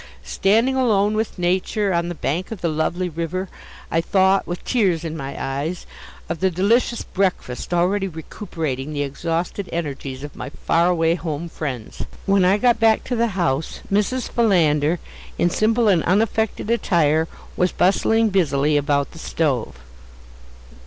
Standing alone with nature, on the bank of the lovely river, I thought, with tears in my eyes, of the delicious breakfast already recuperating the exhausted energies of my far away home friends. When I got back to the house, Mrs. Philander, in simple and unaffected attire, was bustling busily about the stove.